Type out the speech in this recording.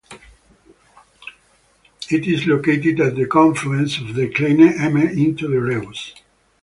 It is located at the confluence of the Kleine Emme into the Reuss.